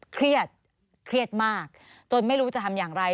เครียดเครียดมากจนไม่รู้จะทำอย่างไร